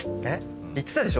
言ってたでしょ